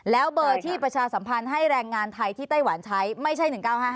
แล้วเบอร์ที่ประชาสัมพันธ์ให้แรงงานไทยที่ไต้หวันใช้ไม่ใช่๑๙๕